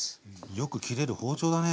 よく切れる包丁だね。